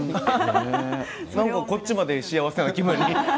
こっちまで幸せな気分に。